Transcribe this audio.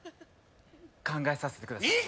考えさせてください。